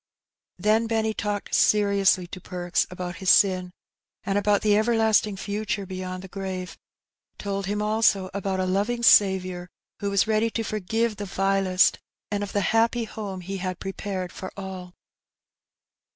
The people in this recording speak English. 287 Then Benny talked seriously to Perks about his sin, and about the everlasting future beyond the grave; told him also about a loving Saviour, who was ready to forgive the vilest, and of the happy home He had prepared for all.